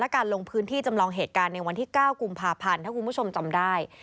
การลงพื้นที่จำลองเหตุการณ์ในวันที่๙กุมภาพันธ์ถ้าคุณผู้ชมจำได้